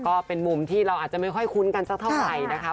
ก็เป็นมุมที่เราอาจจะไม่ค่อยคุ้นกันสักเท่าไหร่นะคะ